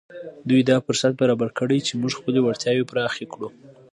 دوی دا فرصت برابر کړی چې موږ خپلې وړتياوې پراخې کړو.